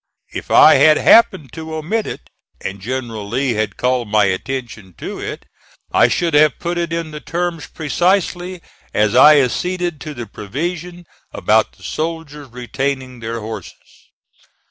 If I had happened to omit it, and General Lee had called my attention to it, I should have put it in the terms precisely as I acceded to the provision about the soldiers retaining their horses.